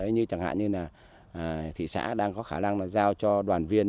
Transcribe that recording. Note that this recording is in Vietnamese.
như chẳng hạn như thị xã đang có khả năng giao cho đoàn viên